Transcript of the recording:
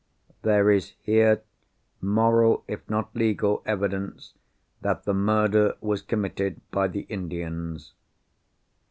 There is here, moral, if not legal, evidence, that the murder was committed by the Indians.